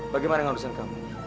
bagaimana urusan kamu